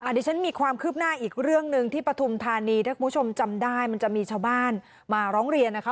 ดิฉันมีความคืบหน้าอีกเรื่องหนึ่งที่ปฐุมธานีถ้าคุณผู้ชมจำได้มันจะมีชาวบ้านมาร้องเรียนนะคะ